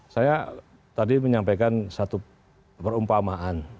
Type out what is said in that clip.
saya tadi menyampaikan satu perumpamaan